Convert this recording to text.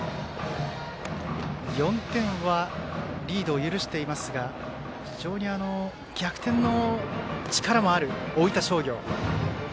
４点はリードを許していますが非常に、逆転の力もある大分商業。